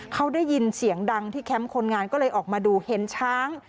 เขาได้ยินเสียงดังที่แคมป์คนงานก็เลยออกมาดูเห็นช้าง